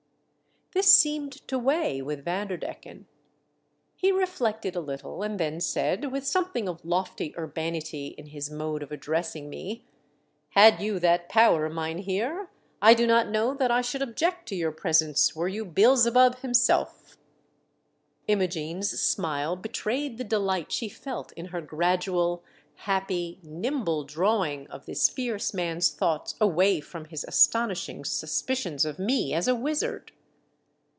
This seemed to weigh with Vanderdecken. He reflected a little and then said, with something of lofty urbanity in his mode of addressing me, " Had you that power, mynheer, I do not know that I should object to your presence were you Beelzebub himself." Imogene's smile betrayed the delight she felt in her gradual, happy, nimble drawing of this fierce man's thoughts away from his astonishing suspicions of me as a wizard.